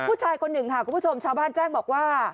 ผู้ชายคนหนึ่งค่ะคุณผู้ชมชาวบ้านแจ้งบอกว่า